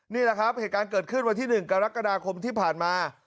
นี่แหละครับเหตุการณ์เกิดขึ้นวันที่๑กรกฎาคมที่ผ่านมา